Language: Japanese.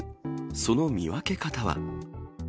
その見分け方は。